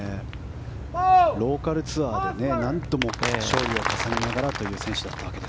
ローカルツアーで何度も勝利を重ねながらという選手でした。